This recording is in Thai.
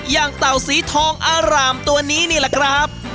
อย่างเต่าสีทองอารามตัวนี้นี่หละครับ